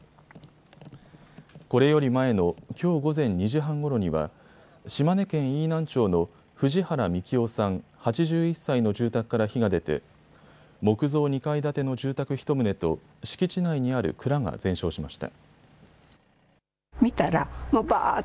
これより前のきょう午前２時半ごろには島根県飯南町の藤原幹男さん８１歳の住宅から火が出て木造２階建ての住宅１棟と敷地内にある蔵が全焼しました。